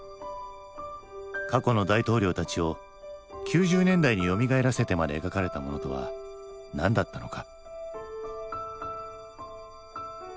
過去の大統領たちを９０年代によみがえらせてまで描かれたものとは何だったのか。